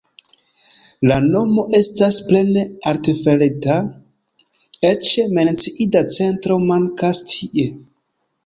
La nomo estas plene artefarita, eĉ menciinda centro mankas tie.